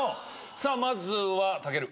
さあまずはたける。